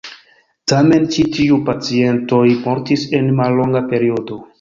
Tamen ĉi tiuj pacientoj mortis en mallonga periodo.